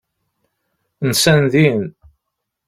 Nsan din.